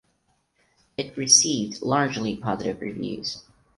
It received largely positive reviews.